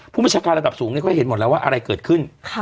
ผู้บัญชาการระดับสูงเขาเห็นหมดแล้วว่าอะไรเกิดขึ้น